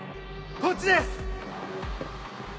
・こっちです！